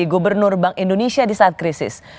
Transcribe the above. gubernur bank indonesia di saat krisis